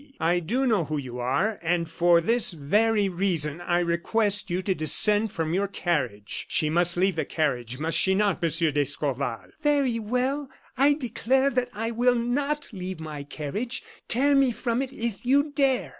I do know who you are, and, for this very reason, I request you to descend from your carriage. She must leave the carriage, must she not, Monsieur d'Escorval?" "Very well! I declare that I will not leave my carriage; tear me from it if you dare!"